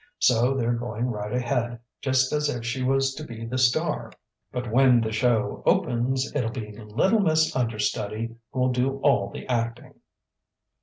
So they're going right ahead, just as if she was to be the star, but when the show opens it'll be little Miss Understudy who'll do all the acting."